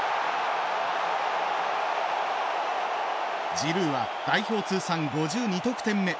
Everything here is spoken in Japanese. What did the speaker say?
ジルーは代表通算５２得点目。